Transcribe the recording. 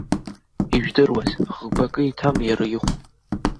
Ижәдыруаз, ӷбакы иҭам иара ихә!